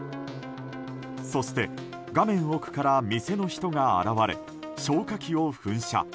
そして、画面奥から店の人が現れ消火器を噴射。